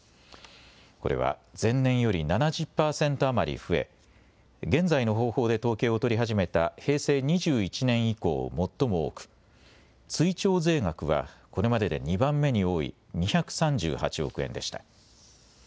これは前年より７０％余り増え現在の方法で統計を取り始めた平成２１年以降、最も多く追徴税額はこれまでで２番目に多い２３８億円でした。